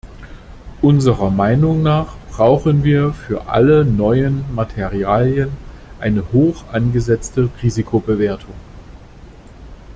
Unserer Meinung nach brauchen wir für alle neuen Materialien eine hoch angesetzte Risikobewertung.